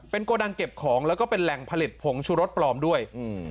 โกดังเก็บของแล้วก็เป็นแหล่งผลิตผงชูรสปลอมด้วย